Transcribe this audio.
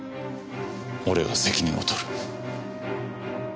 俺が責任をとる。